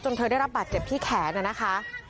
เธอได้รับบาดเจ็บที่แขนนะคะ